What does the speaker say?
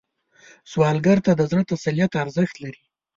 سوالګر ته د زړه تسلیت ارزښت لري